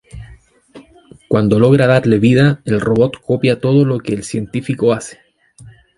Cuándo logra darle vida, el robot copia todo lo que el científico hace.